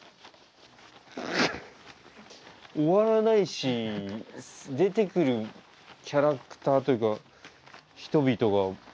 終わらないし出てくるキャラクターというか人々が。